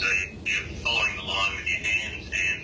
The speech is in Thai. แต่ยังมีเวลาที่ยินมีความร้ายขึ้น